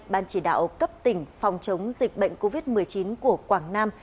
ban chỉ đạo cấp tỉnh phòng chống dịch bệnh covid một mươi chín của quảng nam